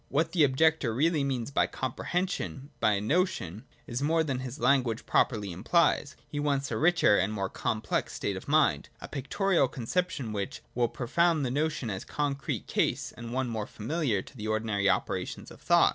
What the objector really means by comprehension — by a notion — is more than his language properly implies : he wants a richer and more complex state of mind, a pictorial conception which will propound the notion as a concrete case and one more familiar to the ordinary operations of thought.